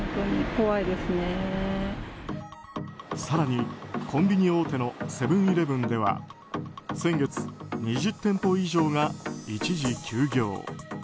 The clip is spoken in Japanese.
更に、コンビニ大手のセブン‐イレブンでは先月、２０店舗以上が一時休業。